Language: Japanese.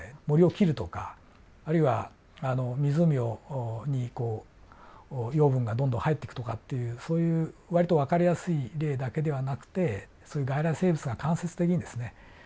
森を切るとかあるいは湖にこう養分がどんどん入っていくとかっていうそういう割とわかりやすい例だけではなくてそういう外来生物が間接的にですね